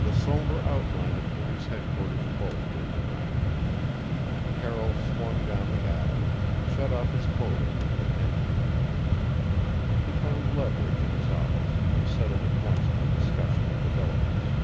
The somber outline of police headquarters bulked in the night. Carroll swung down the alley, shut off his motor and entered. He found Leverage in his office and settled at once to a discussion of developments.